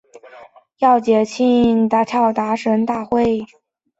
腊月布拉达跳神大会是藏传佛教的重要节庆。